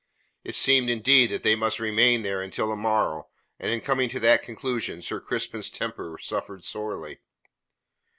It seemed, indeed, that they must remain there until the morrow, and in coming to that conclusion, Sir Crispin's temper suffered sorely.